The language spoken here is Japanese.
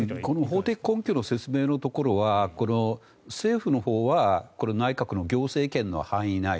法的根拠の説明のところは政府のほうは内閣の行政権の範囲内